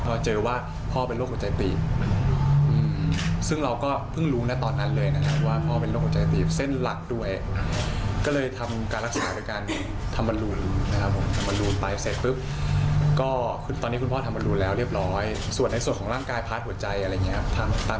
แล้วก็เจอว่าพ่อเป็นโรคหัวใจตีบซึ่งเราก็เพิ่งรู้นะตอนนั้นเลยนะครับว่าพ่อเป็นโรคหัวใจตีบเส้นหลักด้วยก็เลยทำการรักษาด้วยกันทำบรรลุนนะครับผม